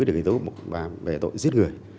để giấu bà về tội giết người